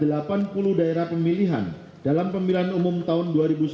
sebagai mana tercantum dalam enam puluh daerah pemilihan dalam pemilihan umum tahun dua ribu sembilan belas